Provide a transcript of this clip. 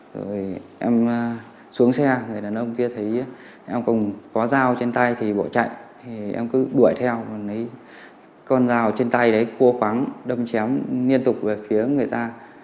rồi em xuống xe người đàn ông kia thấy em cũng có dao trên tay thì bỏ chạy em cứ đuổi theo con dao trên tay đấy cua khoáng đâm chém liên tục về phía người ta